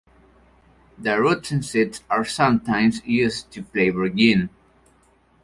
The roots and seeds are sometimes used to flavor gin.